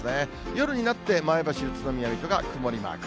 夜になって、前橋、宇都宮、水戸が曇りマーク。